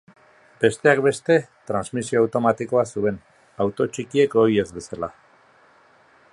Besteak beste, transmisio automatikoa zuen, auto txikiek ohi ez bezala.